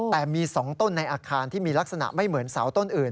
แต่มี๒ต้นในอาคารที่มีลักษณะไม่เหมือนเสาต้นอื่น